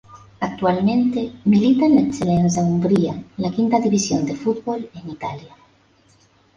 Actualmente milita en la Eccellenza Umbría, la quinta división de fútbol en Italia.